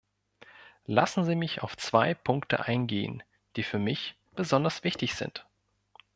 Lassen Sie mich auf zwei Punkte eingehen, die für mich besonders wichtig sind.